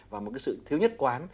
và một cái sự thiếu nhất quán